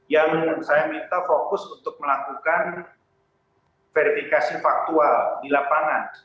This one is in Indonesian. yang saya minta fokus untuk melakukan verifikasi faktual di lapangan